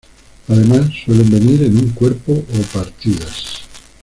Además suelen venir en un cuerpo, o partidas.